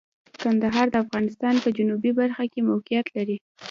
کندهار د افغانستان په جنوبی برخه کې موقعیت لري.